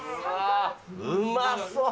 うまそう。